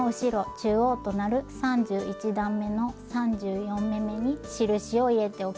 中央となる３１段めの３４目めに印を入れておきます。